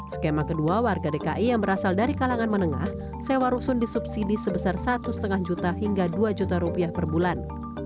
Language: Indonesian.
skema kedua warga dki yang berasal dari kalangan menengah sewa rusun disubsidi sebesar satu lima juta hingga dua juta rupiah per bulan